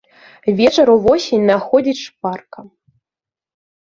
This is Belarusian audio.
Вечар увосень находзіць шпарка.